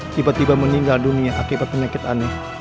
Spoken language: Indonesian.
tiba tiba meninggal dunia akibat penyakit aneh